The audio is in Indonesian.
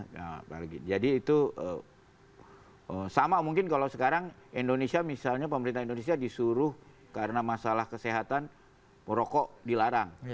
jadi itu sama mungkin kalau sekarang indonesia misalnya pemerintah indonesia disuruh karena masalah kesehatan merokok dilarang